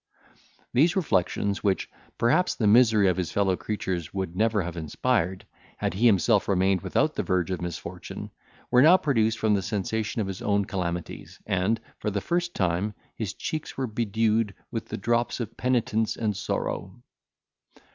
These reflections, which, perhaps, the misery of his fellow creatures would never have inspired, had he himself remained without the verge of misfortune, were now produced from the sensation of his own calamities; and, for the first time, his cheeks were bedewed with the drops of penitence and sorrow.